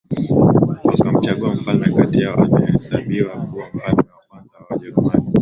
Wakamchagua mfalme kati yao anayehesabiwa kuwa mfalme wa kwanza wa Wajerumani